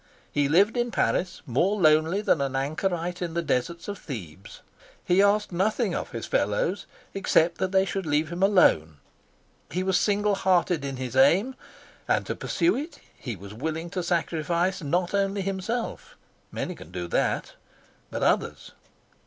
He lived in Paris more lonely than an anchorite in the deserts of Thebes. He asked nothing his fellows except that they should leave him alone. He was single hearted in his aim, and to pursue it he was willing to sacrifice not only himself many can do that but others.